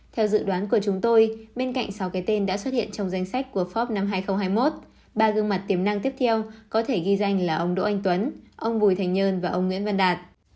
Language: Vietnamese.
theo dự đoán của chúng tôi bên cạnh sáu cái tên đã xuất hiện trong danh sách của forb năm hai nghìn hai mươi một ba gương mặt tiềm năng tiếp theo có thể ghi danh là ông đỗ anh tuấn ông bùi thành nhơn và ông nguyễn văn đạt